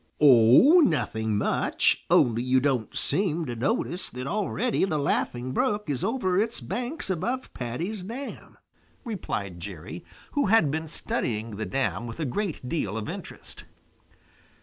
"Oh, nothing much, only you don't seem to notice that already the Laughing Brook is over its banks above Paddy's dam," replied Jerry, who had been studying the dam with a great deal of interest.